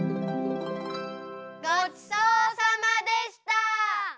ごちそうさまでした！